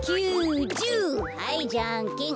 はいじゃんけん。